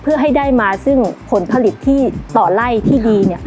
เพื่อให้ได้มาซึ่งผลผลิตที่ต่อไล่ที่ดี